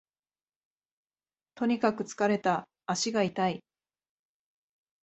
とにかく疲れた、足が痛い